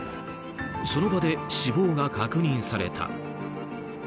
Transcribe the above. その場で死亡が確認された。